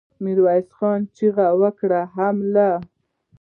ميرويس خان چيغه کړه! حمله!